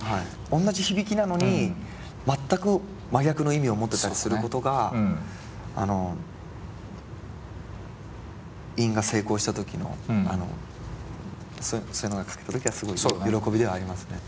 同じ響きなのに全く真逆の意味を持ってたりすることがあの韻が成功した時のそういうのが書けた時はすごいよろこびではありますね。